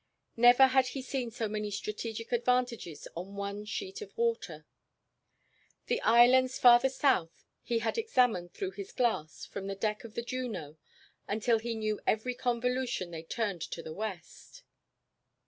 Never had he seen so many strategic advantages on one sheet of water. The islands farther south he had examined through his glass from the deck of the Juno until he knew every convolution they turned to the west.